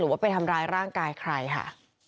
ว่าไปทำร้ายร่างกายใครค่ะ